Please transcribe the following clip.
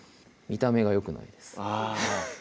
見た目がよくないですあぁ